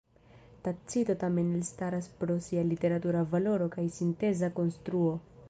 Tacito tamen elstaras pro sia literatura valoro kaj sinteza konstruo.